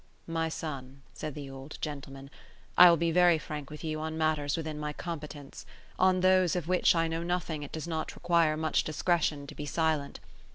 "My son," said the old gentleman, "I will be very frank with you on matters within my competence; on those of which I know nothing it does not require much discretion to be silent.